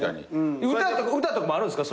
歌とかもあるんですか？